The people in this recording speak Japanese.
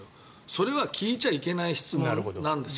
それは聞いちゃいけない質問なんですよ